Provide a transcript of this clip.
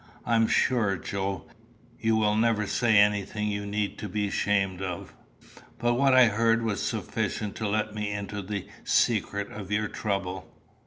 I am sure, Joe, you will never say anything you need be ashamed of. But what I heard was sufficient to let me into the secret of your trouble.